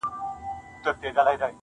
• د تعلیم او د پوهني په زور کېږي -